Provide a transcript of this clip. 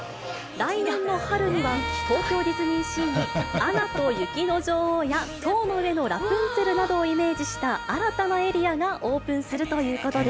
来年の春には、東京ディズニーシーに、アナと雪の女王や塔の上のラプンツェルなどをイメージした新たなエリアがオープンするということです。